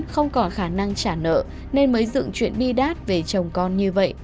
không còn khả năng trả nợ nên mới dựng chuyện bi đát về chồng con như vậy